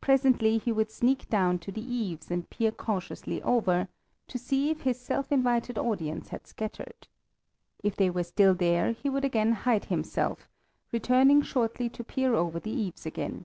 Presently he would sneak down to the eaves and peer cautiously over, to see if his self invited audience had scattered. If they were still there he would again hide himself, returning shortly to peer over the eaves again.